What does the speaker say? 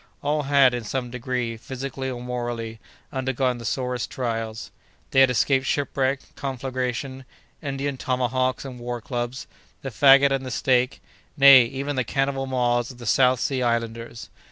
All had, in some degree, physically or morally, undergone the sorest trials. They had escaped shipwreck; conflagration; Indian tomahawks and war clubs; the fagot and the stake; nay, even the cannibal maws of the South Sea Islanders.